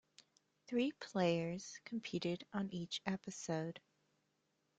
Three players competed on each episode.